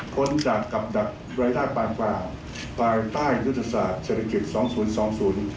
พ้นจากกับดับรายได้ปานกว่าภายใต้ยุทธศาสตร์เศรษฐกิจสองศูนย์สองศูนย์